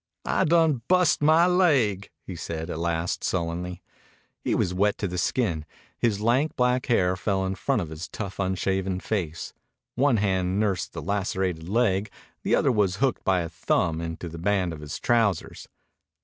"I done bust my laig," he said at last sullenly. He was wet to the skin. His lank, black hair fell in front of his tough, unshaven face. One hand nursed the lacerated leg. The other was hooked by the thumb into the band of his trousers.